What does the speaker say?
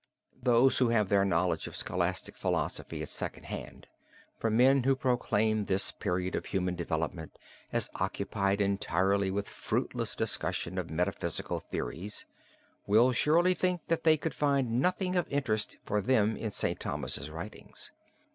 Those who have their knowledge of scholastic philosophy at second hand, from men who proclaim this period of human development as occupied entirely with fruitless discussion of metaphysical theories, will surely think that they could find nothing of interest for them in St. Thomas's writings.